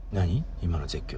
今の絶叫。